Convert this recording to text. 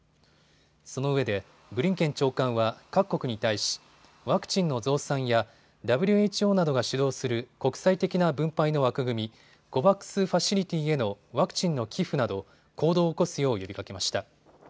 そのうえでブリンケン長官は各国に対しワクチンの増産やＷＨＯなどが主導する国際的な分配の枠組み、ＣＯＶＡＸファシリティへのワクチンの寄付など行動を起こすよう呼びかけました。